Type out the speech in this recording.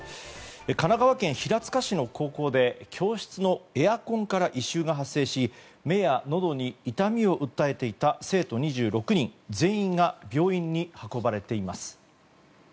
神奈川県平塚市の高校で教室のエアコンから異臭が発生し目やのどに痛みを訴えていた生徒２６人全員が病院に運ばれています。